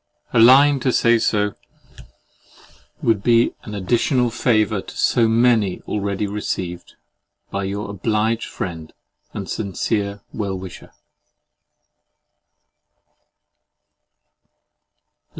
A line to say so would be an additional favour to so many already received by Your obliged friend, And sincere well wisher.